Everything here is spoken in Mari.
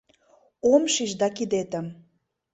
Ом шиж да кидетым